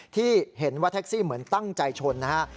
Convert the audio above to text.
ที่เห็นว่าแท็กซี่เหมือนตั้งใจชนนะฮะ